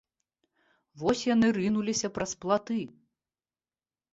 Вось яны рынуліся праз платы.